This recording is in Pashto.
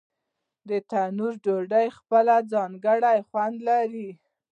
د تنور ډوډۍ خپل ځانګړی خوند لري.